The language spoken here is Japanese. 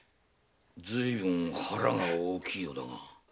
ずいぶん腹が大きいようだが？